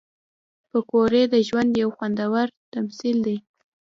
پکورې د ژوند یو خوندور تمثیل دی